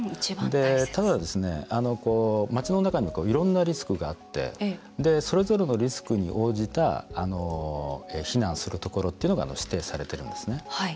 ただ、街の中にもいろんなリスクがあってそれぞれのリスクに応じた避難するところが指定されているんですね。